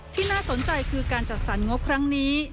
ที่น่าสนใจคือการจัดสรรงบครั้งนี้